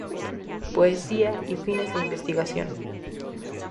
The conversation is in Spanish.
Poesía, y fines de investigación.